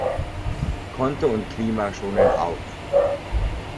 Konto und Klima schonen“ auf.